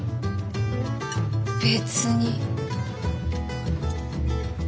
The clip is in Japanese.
別に。